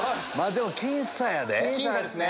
でも僅差やで。